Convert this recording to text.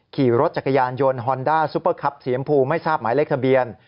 ขี่รถจักรยานยนต์ฮอนด้าซุปเปอร์คับสียมพูไม่ทราบหมายเลขทะเบียน